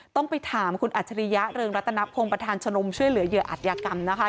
ต้องไปถามคุณอัจฉริยะเริงรัตนพงศ์ประธานชมรมช่วยเหลือเหยื่ออัตยากรรมนะคะ